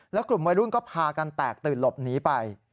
แล้วกลุ่มวัยรุ่นก็พากันแตกตื่นหลบหนีไป